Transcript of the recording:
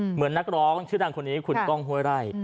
เหมือนนักร้องชื่อดังคนนี้คุณก้องห้วยไร่